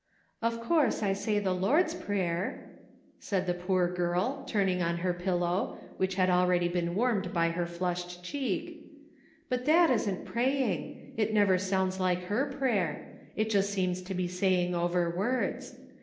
*'0f course I say the Lord's Prayer," said the poor girl, turning her pillow, which had already been warmed by her flushed cheek ;'' but that isn't praying. It never sounds like her prayer ; it just seems to be saying over words.